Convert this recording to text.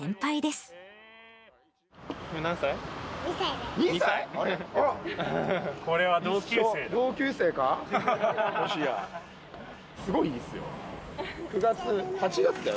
すごいいいですよ。